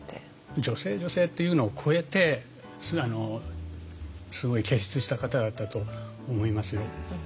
女性女性っていうのを超えてすごい傑出した方だったと思いますよ。